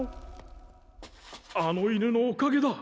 あの犬のおかげだ。